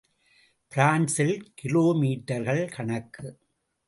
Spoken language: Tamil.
பிரான்சில் கிலோ மீட்டர்கள் கணக்கு.